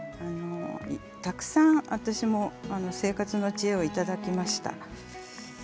たくさん、私も生活の知恵をいただきました。